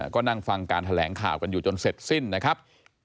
ก็นั่งฟังการแถลงข่าวกันอยู่จนเสร็จสิ้นนะครับ